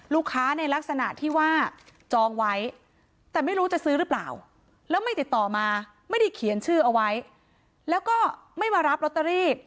ในลักษณะที่ว่าจองไว้แต่ไม่รู้จะซื้อหรือเปล่าแล้วไม่ติดต่อมาไม่ได้เขียนชื่อเอาไว้แล้วก็ไม่มารับลอตเตอรี่